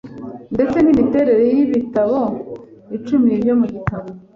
Ndetse n'imiterere y'ibitabo icumi byo mu gitabo